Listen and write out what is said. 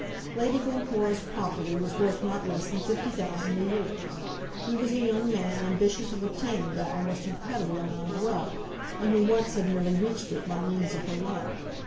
Lady Glencora's property was worth not less than fifty thousand a year. He was a young man ambitious of obtaining that almost incredible amount of wealth, and who once had nearly reached it, by means of her love.